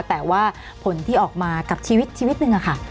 แต่ว่าผลที่ออกมากับชีวิตชีวิตหนึ่งค่ะ